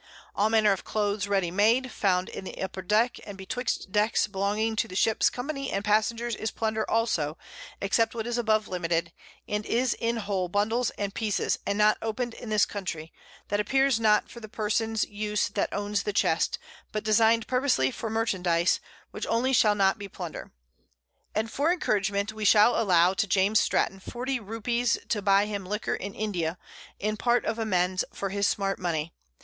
_] _All manner of Clothes ready made, found on the upper Deck, and betwixt Decks, belonging to the Ships Company and Passengers, is Plunder also, except what is above limited, and is in whole Bundles and Pieces, and not open'd in this Country, that appears not for the Persons use that owns the Chest, but design'd purposely for Merchandize, which only shall not be plunder. And for Encouragement, we shall allow to_ James Stratton 40 Rupees to buy him Liquor in India, _in Part of Amends for his smart Money.